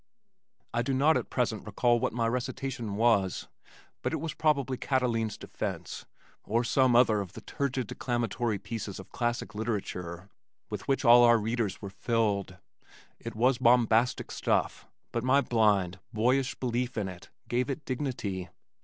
I do not at present recall what my recitation was, but it was probably Catiline's Defense or some other of the turgid declamatory pieces of classic literature with which all our readers were filled. It was bombastic stuff, but my blind, boyish belief in it gave it dignity.